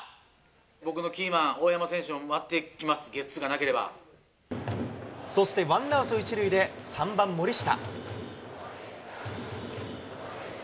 僕のキーマン、大山選手に回ってきます、ゲッツーがなけれそして、ワンアウト一塁で３番森下。